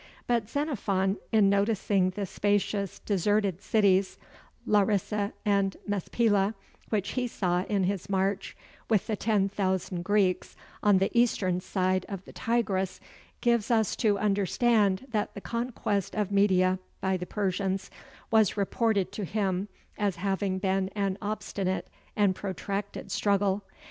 But Xenophon, in noticing the spacious deserted cities, Larissa and Mespila, which he saw in his march with the ten thousand Greeks on the eastern side of the Tigris, gives us to understand that the conquest of Media by the Persians was reported to him as having been an obstinate and protracted struggle.